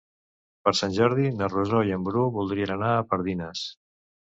Per Sant Jordi na Rosó i en Bru voldrien anar a Pardines.